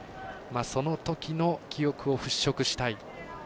そのときの記憶をふっしょくしたい。